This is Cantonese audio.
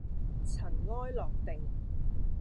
塵埃落定